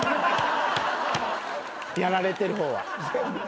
やられてる方は。